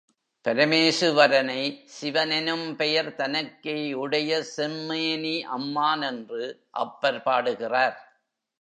பரமேசுவரனை, சிவனெனும் பெயர் தனக்கே உடைய செம்மேனி அம்மான் என்று அப்பர் பாடுகிறார்.